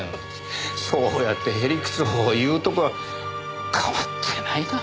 そうやって屁理屈を言うとこは変わってないなあ。